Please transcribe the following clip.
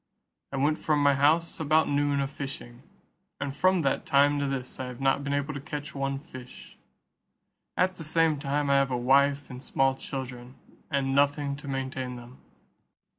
I went from my house about noon a fishing, and from that time to this I have not been able to catch one fish; at the same time I have a wife and small children, and nothing to maintain them."